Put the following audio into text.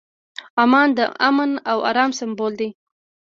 عمان د امن او ارام سمبول دی.